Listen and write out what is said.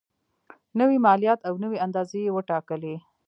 نوي مالیات او نوي اندازې یې وټاکلې.